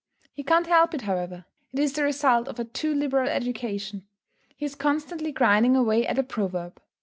He can't help it however; it is the result of a too liberal education. He is constantly grinding away at a proverb.